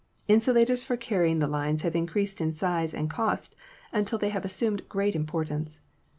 Insulators for carrying the lines have increased in size and cost until they have assumed great importance.